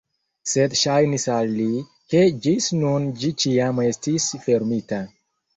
Sed ŝajnis al li, ke ĝis nun ĝi ĉiam estis fermita.